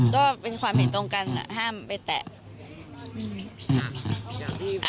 ก็เป็นความเห็นตรงกันห้ามไปแตะ